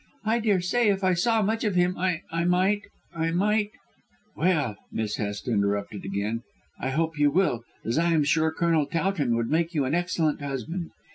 I daresay if I saw much of him I might I might " "Well," Miss Hest interrupted again, "I hope you will, as I am sure Colonel Towton would make you an excellent husband.